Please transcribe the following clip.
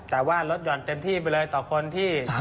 แต่ว่าลดหย่อนเต็มที่ไปเลยต่อคนที่